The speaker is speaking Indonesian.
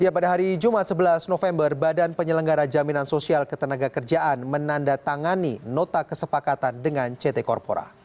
pada hari jumat sebelas november badan penyelenggara jaminan sosial ketenaga kerjaan menandatangani nota kesepakatan dengan ct corpora